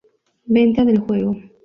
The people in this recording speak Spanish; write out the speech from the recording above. Venta del juego